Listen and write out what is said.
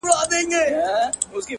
ستا د ښکلا په تصور کي یې تصویر ویده دی؛